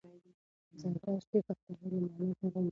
زردښت د پښتنو لومړی پېغمبر وو